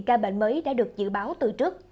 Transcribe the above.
ca bệnh mới đã được dự báo từ trước